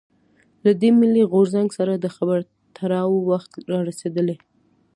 له دې «ملي غورځنګ» سره د خبرواترو وخت رارسېدلی.